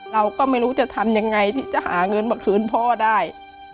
เราก็ไม่รู้จะทำยังไงที่จะหาเงินมาคืนพ่อได้